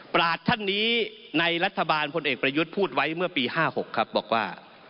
ราชท่านนี้ในรัฐบาลพลเอกประยุทธ์พูดไว้เมื่อปี๕๖ครับบอกว่า